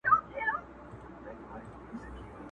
چا له ډاره ورته سپوڼ نه سو وهلای،